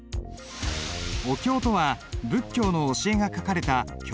お経とは仏教の教えが書かれた経典の事だ。